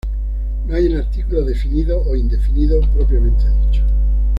No hay un artículo definido o indefinido propiamente dicho.